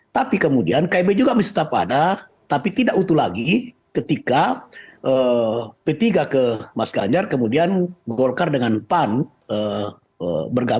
tapi kemudian kib juga masih tetap ada tapi tidak utuh lagi ketika p tiga ke mas ganjar kemudian golkar dengan pan bergabung